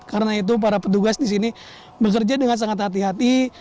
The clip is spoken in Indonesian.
karena itu para petugas di sini bekerja dengan sangat hati hati